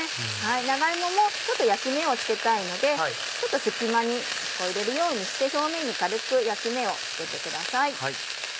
長芋もちょっと焼き目をつけたいので隙間に入れるようにして表面に軽く焼き目をつけてください。